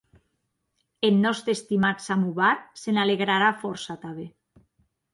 Eth nòste estimat samovar se n'alegrarà fòrça tanben.